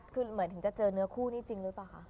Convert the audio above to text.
คือเหมือนจะเจอเนื้อคู่นี้จริงรู้ป่ะค่ะ